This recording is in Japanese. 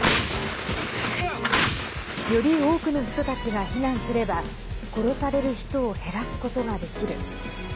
より多くの人たちが避難すれば殺される人を減らすことができる。